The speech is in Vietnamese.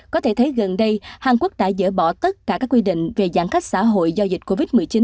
có thể thấy gần đây hàn quốc đã dỡ bỏ tất cả các quy định về giãn cách xã hội do dịch covid một mươi chín